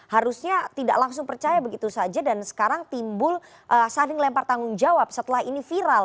harusnya tidak langsung percaya begitu saja dan sekarang timbul saling lempar tanggung jawab setelah ini viral